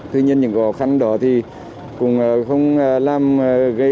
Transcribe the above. tuy nhiên những khó khăn đó cũng không thể cản trừ được quả tin